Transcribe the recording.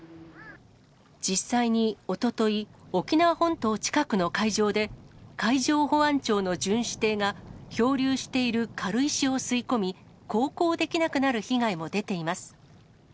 実際におととい、沖縄本島近くの海上で、海上保安庁の巡視艇が、漂流している軽石を吸い込み、航行できなくなる被害も出ています。